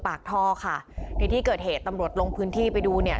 ปากท่อค่ะในที่เกิดเหตุตำรวจลงพื้นที่ไปดูเนี่ย